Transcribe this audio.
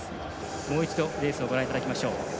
もう一度、レースをご覧いただきましょう。